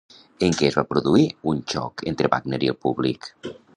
En què es va produir un xoc entre Wagner i el públic?